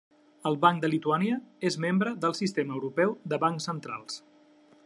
"El Banc de Lituània" és membre del Sistema Europeu de Bancs Centrals.